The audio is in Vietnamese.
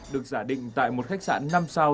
được giả định tại một khách sạn năm sao